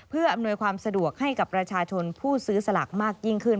เพื่ออำนวยความสะดวกให้กับประชาชนผู้ซื้อสลากมากยิ่งขึ้น